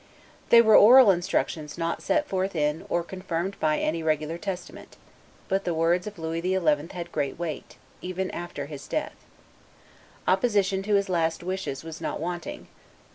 They were oral instructions not set forth in or confirmed by any regular testament; but the words of Louis XI. had great weight, even after his death. Opposition to his last wishes was not wanting.